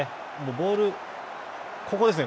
ボール、ここですね。